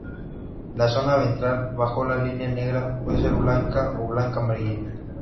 La zona ventral, bajo la línea negra, puede ser blanca o blanca amarillenta.